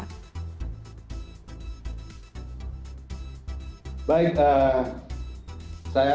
bagaimana sih pak aturan baru yang diberlakukan militer bagi warga yang ada di sana termasuk bagi warga negara asing yang ada di sana